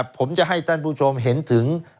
ผมจะให้ท่านผู้ชมเห็นถึง